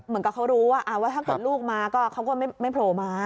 เหมือนกับเขารู้ว่าถ้าเกิดลูกมาก็เขาก็ไม่โผล่มา